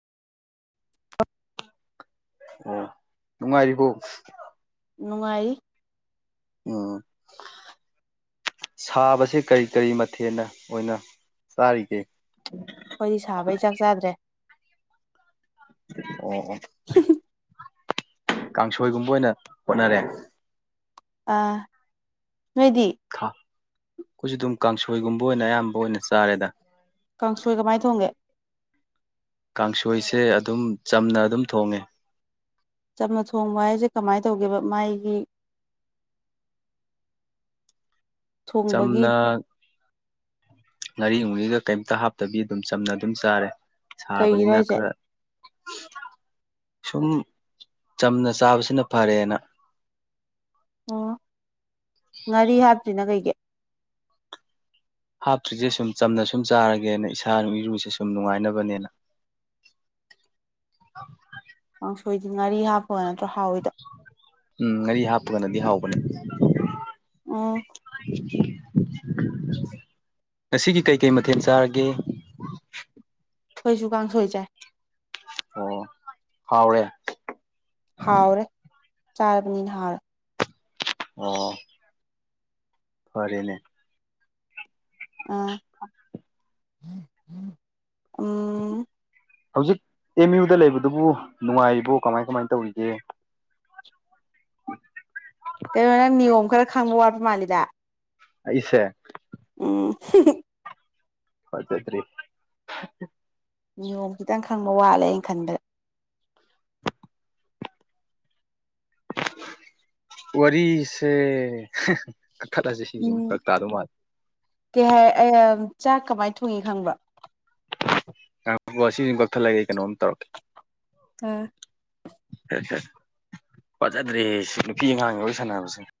[inaudible] ꯑꯣ ꯅꯨꯡꯉꯥꯏꯔꯤꯔꯤꯕꯣ ꯅꯨꯡꯉꯥꯏꯔꯤ ꯑꯣ ꯁꯥꯕꯁꯦ ꯀꯔꯤ ꯀꯔꯤ ꯃꯊꯦꯅ ꯑꯣꯏꯅ ꯆꯥꯔꯤꯒꯦ ꯑꯩꯈꯣꯏꯗꯤ ꯁꯥꯕꯩ ꯆꯥꯛ ꯆꯥꯗ꯭ꯔꯦ ꯑꯣ ꯑꯣ [unintelligible] ꯀꯥꯡꯁꯣꯏꯒꯨꯝꯕ ꯑꯣꯏꯅ ꯍꯣꯠꯅꯔꯦ ꯑ ꯅꯣꯏꯗꯤ ꯈꯥ ꯑꯩꯈꯣꯏꯁꯨ ꯑꯗꯨꯝ ꯀꯥꯡꯁꯣꯏꯒꯨꯝꯕ ꯑꯣꯏꯅ ꯑꯌꯥꯝꯕ ꯑꯣꯏꯅ ꯆꯥꯔꯦꯗ ꯀꯥꯡꯁꯣꯏ ꯀꯃꯥꯏꯅ ꯊꯣꯡꯒꯦ ꯀꯥꯡꯁꯣꯏꯁꯦ ꯑꯗꯨꯝ ꯆꯝꯅ ꯑꯗꯨꯝ ꯊꯣꯡꯉꯦ ꯆꯝꯅ ꯊꯣꯡꯕ ꯍꯥꯏꯁꯦ ꯀꯃꯥꯏꯅ ꯇꯧꯒꯦꯕ ꯃꯥꯏꯒꯤ ꯊꯣꯡꯕꯒꯤ ꯆꯝꯅ ꯉꯥꯔꯤꯃꯨꯅꯤꯒ ꯀꯩꯝꯇ ꯍꯥꯞꯇꯕꯤ ꯑꯗꯨꯝ ꯆꯝꯅ ꯑꯗꯨꯝ ꯆꯥꯔꯦ ꯀꯩꯒꯤꯅꯣ ꯁꯥꯕꯅꯤꯅ ꯍꯥꯏꯁꯦ ꯈꯔ ꯎꯝ ꯁꯨꯝ ꯆꯝꯅ ꯆꯥꯕꯁꯤꯅ ꯐꯔꯦꯅ ꯑꯣ ꯉꯥꯔꯤ ꯍꯥꯞꯇ꯭ꯔꯤꯅ ꯀꯩꯒꯤꯦ ꯍꯥꯞꯇ꯭ꯔꯤꯁꯦ ꯁꯨꯝ ꯆꯝꯅ ꯁꯨꯝ ꯆꯥꯔꯒꯦꯅ ꯏꯁꯥꯅ ꯏꯔꯨꯁꯦ ꯁꯨꯝ ꯅꯨꯡꯉꯥꯏꯅꯕꯅꯦꯅ ꯑ ꯀꯥꯡꯁꯣꯏꯗꯤ ꯉꯥꯔꯤ ꯍꯥꯞꯄ ꯅꯠꯇ꯭ꯔꯣ ꯍꯥꯎꯋꯏꯗ ꯅꯗꯤ ꯍꯥꯎꯕꯅꯤ ꯑ [inaudible] ꯉꯁꯤꯒꯤ ꯀꯩꯀꯩ ꯃꯊꯦꯜ ꯆꯥꯔꯒꯦ ꯑꯩꯈꯣꯏꯁꯨ ꯀꯥꯡ ꯁꯣꯏ ꯆꯥꯏ ꯑꯣ ꯍꯥꯎꯔꯦ ꯍꯥꯎꯔꯦ ꯆꯥꯔꯕꯅꯤꯅ ꯍꯥꯎꯔꯦ ꯑꯣ ꯐꯔꯦꯅꯦ ꯑ ꯎ ꯍꯧꯖꯤꯛ ꯑꯦꯝ ꯌꯨꯗ ꯂꯩꯕꯗꯨꯕꯨ ꯅꯨꯡꯉꯥꯏꯔꯤꯕꯣ ꯀꯃꯥꯏ ꯀꯃꯥꯏꯅ ꯇꯧꯔꯤꯒꯦ ꯀꯩꯅꯣ ꯅꯪ ꯅꯤꯌꯣꯝ ꯈꯔ ꯈꯪꯕ ꯋꯥꯠꯄ ꯃꯥꯜꯂꯤꯗ ꯏꯁꯦ ꯎꯝ ꯍ ꯆꯩ ꯊꯔꯤ ꯅꯤꯌꯣꯝ ꯈꯤꯇꯪ ꯈꯪꯕ ꯋꯥꯠꯂꯦ ꯑꯩꯅ ꯈꯟꯕꯗ ꯋꯥꯔꯤꯁꯦ ꯀꯛꯊꯠꯂꯁꯦ ꯁꯤꯁꯨꯝ ꯎꯝ ꯐꯔꯛ ꯇꯥꯗꯧ ꯃꯥꯜꯂꯦ ꯀꯩ ꯍꯥꯏ ꯆꯥꯛ ꯀꯃꯥꯏ ꯊꯣꯡꯏ ꯈꯪꯕꯔꯣ꯫ ꯉꯥꯏꯈꯣ ꯑꯁꯤꯁꯤꯃꯥ ꯀꯛꯊꯠꯂꯒ ꯑꯩ ꯀꯩꯅꯣꯝ ꯇꯧꯔꯛꯀꯦ ꯑ [unintelligible] ꯐꯖꯗ꯭ꯔꯦ ꯅꯨꯄꯤ ꯑꯉꯥꯡꯉ ꯋꯥꯔꯤ ꯁꯥꯟꯅꯕꯁꯦ